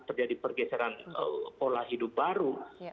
terjadi pergeseran pola hidup baru